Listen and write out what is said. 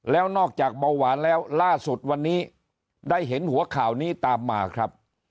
แล้วนอกจากเบาหวานแล้วล่าสุดวันนี้ได้เห็นหัวข่าวนี้ตามมาครับ